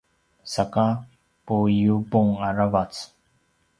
saka puiyubung aravac